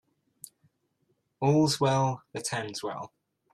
All's well that ends well.